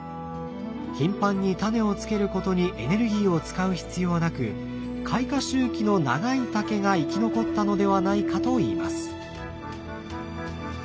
頻繁にタネをつけることにエネルギーを使う必要はなく開花周期の長い竹が生き残ったのではないかといいます。